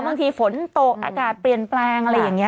เมินมีเมนะสนโต๊ะอากาศเปลี่ยนแปลงอะไรอย่างนี้